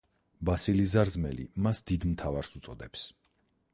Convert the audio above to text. ბასილი ზარზმელი მას დიდ მთავარს უწოდებს.